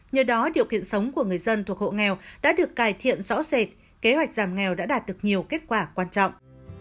nhờ đó điều kiện sống của người dân thuộc hộ nghèo đã được cải thiện rõ rệt kế hoạch giảm nghèo đã đạt được nhiều kết quả quan trọng